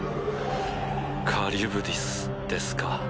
カリュブディスですか。